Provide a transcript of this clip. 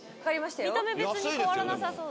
見た目別に変わらなさそう。